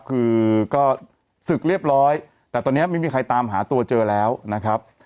คือก็ศึกเรียบร้อยแต่ตอนนี้ไม่มีใครตามหาตัวเจอแล้วนะครับ